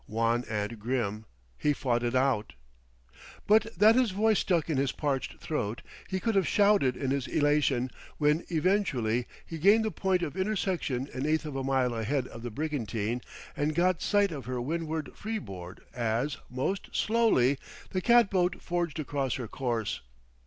Wan and grim, he fought it out. But that his voice stuck in his parched throat, he could have shouted in his elation, when eventually he gained the point of intersection an eighth of a mile ahead of the brigantine and got sight of her windward freeboard as, most slowly, the cat boat forged across her course.